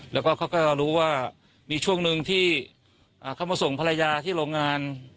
แล้วก็เขาก็รู้ว่ามีช่วงหนึ่งที่เขามาส่งภรรยาที่โรงงาน